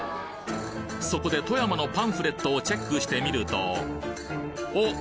そこで富山のパンフレットをチェックしてみるとお！